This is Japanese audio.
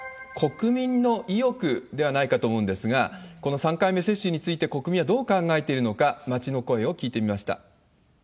国民の意欲ではないかと思うんですが、この３回目接種について、国民はどう考えているのか、街の声を聞いてみました。